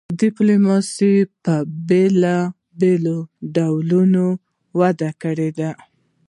ډیپلوماسي په بیلابیلو ډولونو وده کړې ده